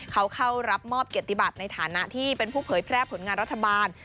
เขาเข้ารับมอบเกียรติบัติในฐานะที่เป็นผู้เผยแพร่ผลงานรัฐบาล